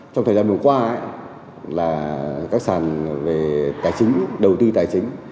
trong thời gian vừa qua là các sàn về tài chính đầu tư tài chính